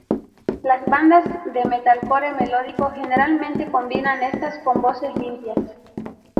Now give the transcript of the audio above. Las bandas de metalcore melódico generalmente combinan estas con voces limpias.